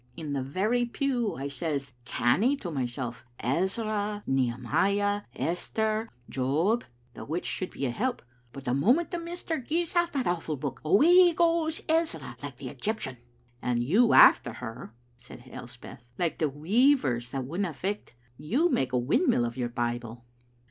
In the very pew I says canny to mysel', 'Ezra, Nehe miah, Esther, Job,' the which should be a help, but the moment the minister gi'es out that awfu' book, away goes Ezra like the Egyptian." "And you after her," said Elspeth, "like the weavers that wouldna fecht You make a windmill of your Bible."